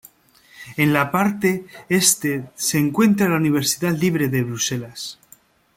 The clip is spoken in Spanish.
En la parte este se encuentra la Universidad Libre de Bruselas.